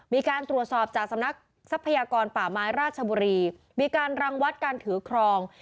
มีการตรวจสอบจากสำนักทรัพยากรป่าไม้ราชบุรีมีการรังวัดการถือครอง